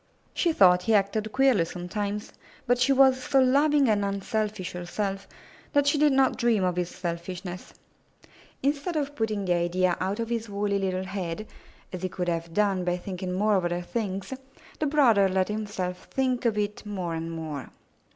She thought he acted queerly sometimes, but she was so loving and unselfish herself that she did not dream of his selfishness. Instead of putting the idea out of his woolly little head, as he could have done by thinking more of other things, the brother let himself think of it more and more.